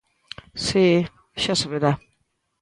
Si... xa se verá.